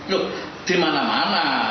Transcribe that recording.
loh di mana mana